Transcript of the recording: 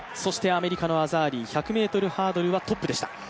アメリカのアザーリー、１００ｍハードルはトップでした。